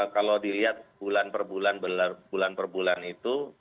kalau dilihat bulan per bulan bulan per bulan itu